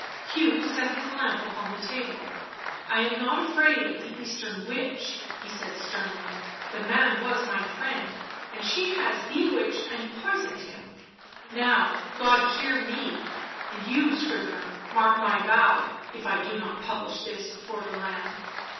Hugh set his lamp upon the table. " I am not afraid of the Eastern witch," he said sternly; "the man was my friend and she has bewitched and poisoned him ; now, God hear me, and you, scrivener, mark my vow, if I do not publish this before the land."